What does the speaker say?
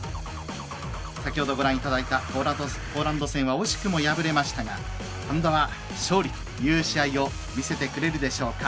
先ほどご覧いただいたポーランド戦は惜しくも敗れましたが今度は勝利という試合を見せてくれるでしょうか。